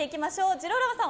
ジローラモさん